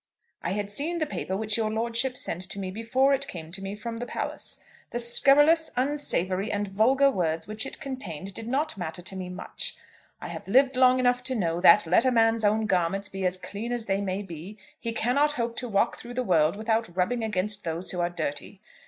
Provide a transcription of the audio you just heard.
"I had seen the paper which your lordship sent to me before it came to me from the palace. The scurrilous, unsavoury, and vulgar words which it contained did not matter to me much. I have lived long enough to know that, let a man's own garments be as clean as they may be, he cannot hope to walk through the world without rubbing against those who are dirty.